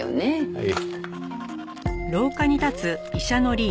はい？